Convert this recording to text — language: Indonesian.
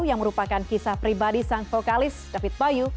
yang merupakan kisah pribadi sang vokalis david bayu